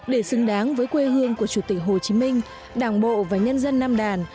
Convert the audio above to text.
để xứng đáng với quê hương của chủ tịch hồ chí minh đảng bộ và nhân dân nam đàn